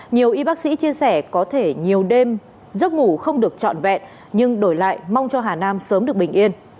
nhiều y bác sĩ chia sẻ có thể nhiều đêm giấc ngủ không được trọn vẹn nhưng đổi lại mong cho hà nam sớm được bình yên